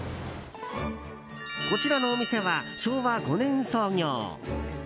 こちらのお店は昭和５年創業。